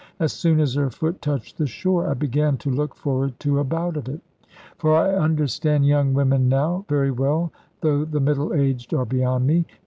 As soon as her foot touched the shore, I began to look forward to a bout of it. For I understand young women now, very well, though the middle aged are beyond me.